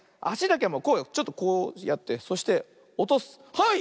はい！